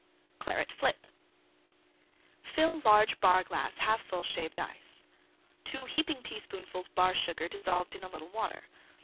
CLARET FLIP Fill large Bar glass 1/2 full Shaved Ice. 2 heaping teaspoonfuls Bar Sugar dissolved in a little Water.